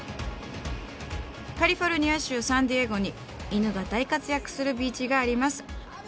カリフォルニア州サンディエゴに犬が大活躍するビーチがあります。